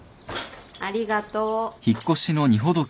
ありがとう。